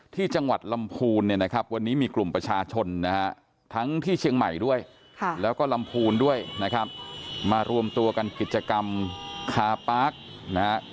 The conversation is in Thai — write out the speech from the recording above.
ที่จังหวัดลำพูนเนี่ยนะครับวันนี้มีกลุ่มประชาชนนะฮะทั้งที่เชียงใหม่ด้วยแล้วก็ลำพูนด้วยนะครับมารวมตัวกันกิจกรรมคาปาร์คนะฮะ